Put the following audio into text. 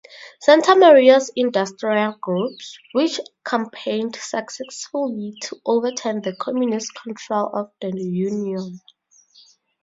Santamaria's Industrial Groups, which campaigned successfully to overturn the Communist control of the union.